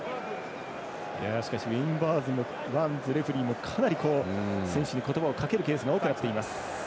しかし、ウェイン・バーンズレフリーもかなり、選手に言葉をかけるケースが多くなっています。